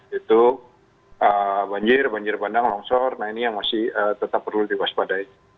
yaitu banjir banjir bandang longsor nah ini yang masih tetap perlu diwaspadai